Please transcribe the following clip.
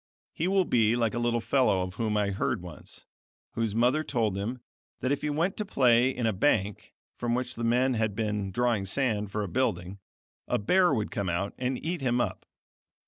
He will be like a little fellow of whom I heard once, whose mother told him that if he vent to play in a bank from which the men had been drawing sand for a building, a bear would come out and eat him up.